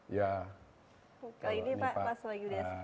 kali ini pak soeharto